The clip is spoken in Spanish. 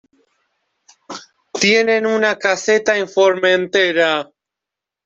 Tienen una caseta en Formentera.